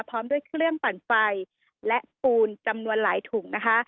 พร้อมด้วยเครื่องปั่นไฟและปูนจำนวนหลายถุงนะคะ